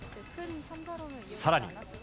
さらに。